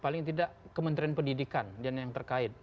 paling tidak kementerian pendidikan dan yang terkait